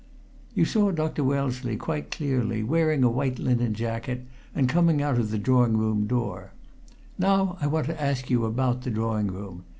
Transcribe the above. "You saw Dr. Wellesley quite clearly, wearing a white linen jacket, and coming out of the drawing room door. Now I want to ask you about the drawing room.